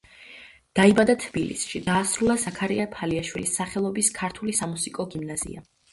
დაიბადა თბილისში, დაასრულა ზაქარია ფალიაშვილის სახელობის ქართული სამუსიკო გიმნაზია.